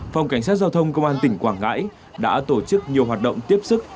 phòng cảnh sát giao thông công an tỉnh quảng ngãi đã tổ chức nhiều hoạt động tiếp sức